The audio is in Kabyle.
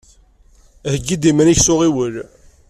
Heyyi-d iman-ik s uɣiwel.